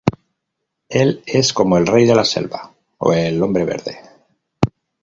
Él es como el rey de la selva, o el hombre verde.